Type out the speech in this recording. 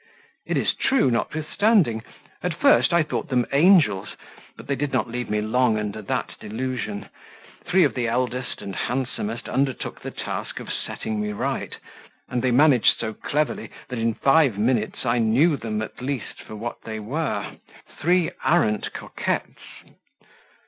"It is true, notwithstanding. At first I thought them angels, but they did not leave me long under that delusion; three of the eldest and handsomest undertook the task of setting me right, and they managed so cleverly that in five minutes I knew them, at least, for what they were three arrant coquettes."